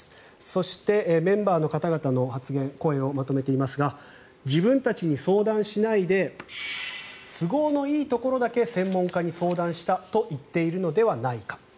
そして、メンバーの方々の発言、声をまとめていますが自分たちに相談しないで都合のいいところだけ専門家に相談したと言っているのではないか。